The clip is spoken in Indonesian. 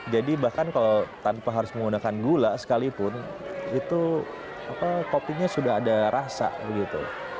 jadi bahkan kalau tanpa harus menggunakan gula sekalipun itu kopinya sudah ada rasa gitu